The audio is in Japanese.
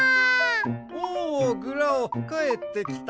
おおグラオかえってきたか。